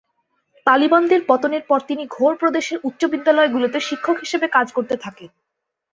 তালিবানদের পতনের পর তিনি ঘোর প্রদেশের উচ্চ বিদ্যালয়গুলিতে শিক্ষক হিসেবে কাজ করতে থাকেন।